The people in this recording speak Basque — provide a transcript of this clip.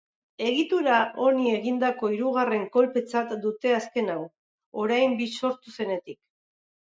Egitura honi egindako hirugarren kolpetzat dute azken hau, orain bi sortu zenetik.